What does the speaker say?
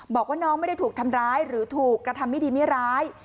บอกว่าน้องไม่ได้ถูกทำร้ายหรือถูกกระทำไม่ดีไม่ร้าย